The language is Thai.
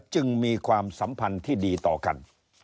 จึงมีความสัมพันธ์ที่ดีต่อกัน